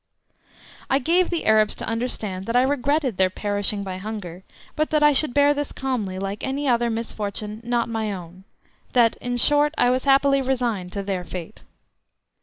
I gave the Arabs to understand that I regretted their perishing by hunger, but that I should bear this calmly, like any other misfortune not my own, that, in short, I was happily resigned to their fate.